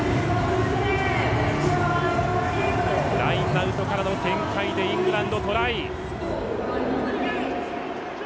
ラインアウトからの展開でイングランド、トライ。